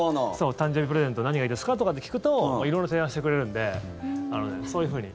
誕生日プレゼント何がいいですか？とかって聞くと色々提案してくれるんでそういうふうに。